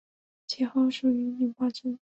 其后属于李茂贞。